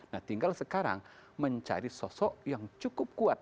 nah tinggal sekarang mencari sosok yang cukup kuat